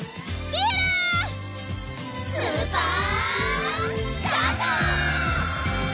スーパースタート！